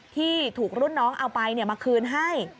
ที่ถูกรุ่นน้องเอาไปมาคืนให้